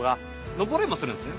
登れもするんすね。